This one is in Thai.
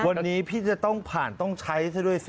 วันนี้พี่จะต้องผ่านต้องใช้ซะด้วยสิ